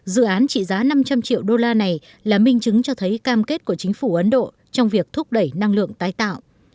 dự án trị giá năm trăm linh triệu đô la này là minh chứng cho thấy cam kết của chính phủ ấn độ trong việc thúc đẩy năng lượng tái tạo